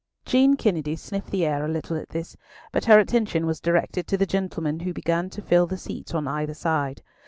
Jean Kennedy sniffed the air a little at this, but her attention was directed to the gentlemen who began to fill the seats on either side.